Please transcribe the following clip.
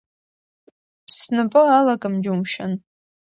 Снапы алакым џьумшьан.